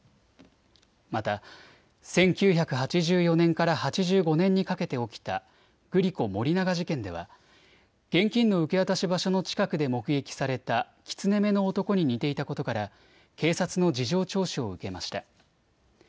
また、１９８４年から８５年にかけて起きたグリコ・森永事件では現金の受け渡し場所の近くで目撃されたキツネ目の男に似ていたことから警察の事情聴取を受けました。